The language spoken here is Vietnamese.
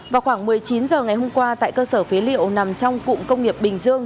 vào khoảng một mươi chín h ngày hôm qua tại cơ sở phế liệu nằm trong cụm công nghiệp bình dương